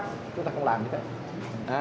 chúng ta không làm như thế